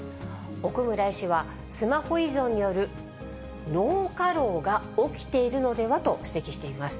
奥村医師は、スマホ依存による脳過労が起きているのではと指摘しています。